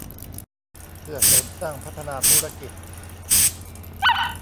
เพื่อเสริมสร้างพัฒนาธุรกิจ